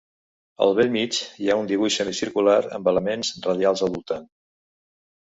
Al bell mig hi ha un dibuix semicircular amb elements radials al voltant.